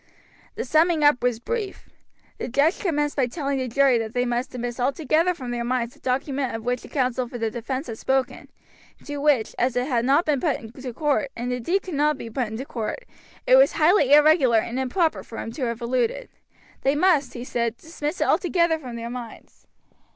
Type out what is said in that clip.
The summing up was brief. The judge commenced by telling the jury that they must dismiss altogether from their minds the document of which the counsel for the defense had spoken, and to which, as it had not been put into court, and indeed could not be put into court, it was highly irregular and improper for him to have alluded. They must, he said, dismiss it altogether from their minds.